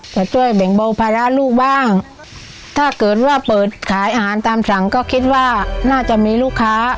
จะช่วยแบ่งเบาภาระลูกบ้างถ้าเกิดว่าเปิดขายอาหารตามสั่งก็คิดว่าน่าจะมีลูกค้า